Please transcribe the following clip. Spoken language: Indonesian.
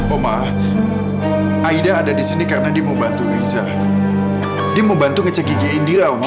oma aida ada di sini karena dia mau bantu wiza dia mau bantu ngecek gigi indira oma